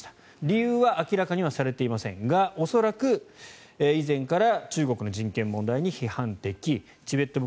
理由は明らかにされていませんが恐らく以前から中国の人権問題に批判的チベット